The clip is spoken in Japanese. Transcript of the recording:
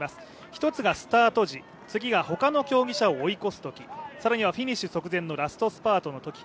一つがスタート時、次がほかの競技者を追い越すとき更にはフィニッシュ直前のラストスパートのとき。